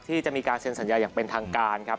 ที่จะมีการเซ็นสัญญาอย่างเป็นทางการครับ